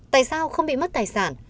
tại sao không bị mất tài sản